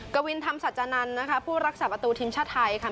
กวินธรรมสัจจานันทร์นะคะผู้รักษาประตูทีมชาติไทยค่ะ